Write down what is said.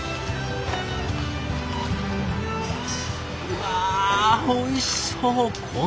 うわあおいしそう！